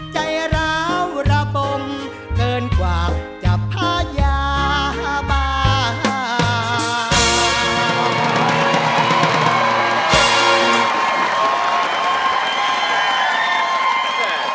ใจราวระบมเกินกว่าจะพยาบาล